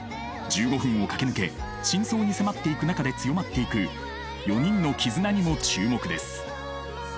１５分を駆け抜け真相に迫っていく中で強まっていく４人の絆にも注目です。